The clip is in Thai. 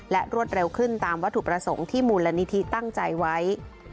และรวดเร็วขึ้นตามวัตถุประสงค์ที่มูลนิธิตั้งใจไว้